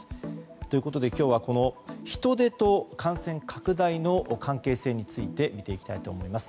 ということで今日は人出と感染拡大の関係性について見ていきたいと思います。